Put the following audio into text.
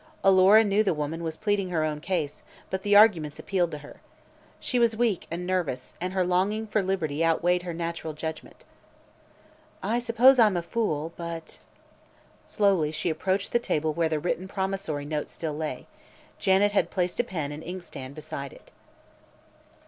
Alora knew the woman was pleading her own case, but the arguments appealed to her. She was weak and nervous and her longing for liberty outweighed her natural judgment. "I suppose I'm a fool, but " Slowly she approached the table where the written promissory note still lay. Janet had placed a pen and inkstand beside it.